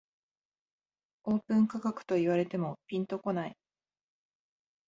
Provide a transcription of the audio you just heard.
オープン価格と言われてもピンとこない